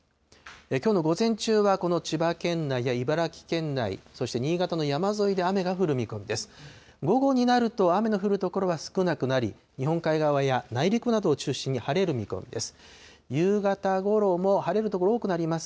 きょうの午前中はこの千葉県内や茨城県内、そして、新潟の山沿いで雨が降る見込みです。